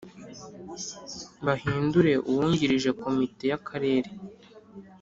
bahindure uwungirije Komite y Akarere